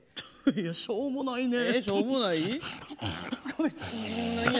しょうもないね。